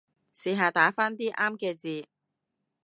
試下打返啲啱嘅字